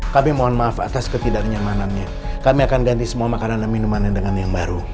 kami mohon maaf atas ketidaknyamanannya kami akan ganti semua makanan dan minumannya dengan yang baru